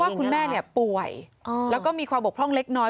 คุณแม่ป่วยแล้วก็มีความบกพร่องเล็กน้อย